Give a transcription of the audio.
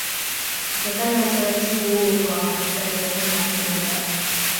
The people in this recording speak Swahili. Kutokana na utaratibu huo kwa Wamasai hakuna mgumba